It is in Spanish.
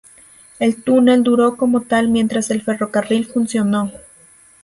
El túnel duró como tal mientras el ferrocarril funcionó.